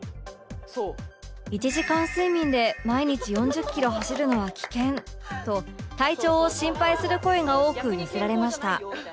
「１時間睡眠で毎日４０キロ走るのは危険」と体調を心配する声が多く寄せられました